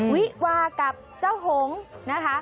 วิวากับเจ้าหงษ์